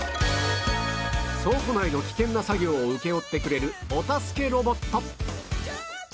倉庫内の危険な作業を請け負ってくれるお助けロボット